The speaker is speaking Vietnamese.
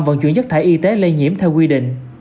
vận chuyển chất thải y tế lây nhiễm theo quy định